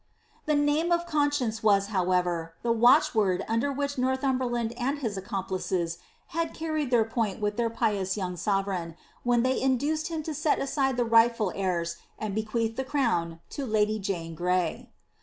The name of conscience was, however, the watchword under which Northumberland and his accomplices had carried their point with their pious young sovereign, when they induced him to set aside the rightful heirs, and bequeath the crown to lady Jane Gray.